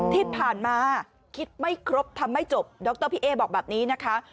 ที่ผ่านมาคิดไม่ครบทำไม่จบดรพี่เอ๊บอกแบบนี้นะคะ